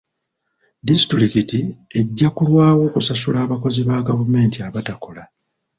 Disitulikiti ejja kulwawo okusasula abakozi ba gavumenti abatakola.